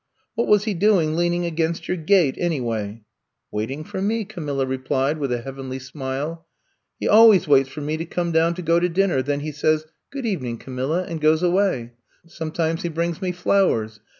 What was he doing leaning against your gate, anyway! Waiting for me, Camilla replied, with a heavenly smile. He always waits for 64 I'VE COME TO STAY me to come down to go to dinner, then he says, * Good evening, Camilla, * and goes away. Sometimes he brings me flowers.